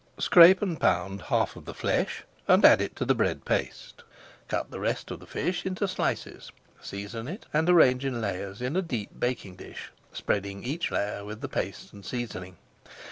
Scrape and pound half of the flesh and add it to the bread paste. Cut the rest of the fish into slices, season it, and arrange in layers in a deep baking dish, spreading each layer with the paste and seasoning.